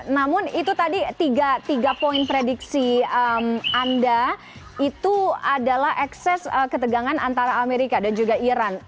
namun itu tadi tiga poin prediksi anda itu adalah ekses ketegangan antara amerika dan juga iran